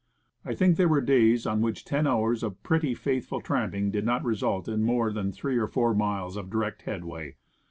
I think there were days on which ten hours of pretty faithful tramping did not result in more than three or four miles of direct headway.